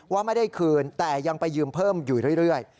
ว่าไม่ได้คืนแต่ยังไปยืมเพิ่มอยู่เรื่อย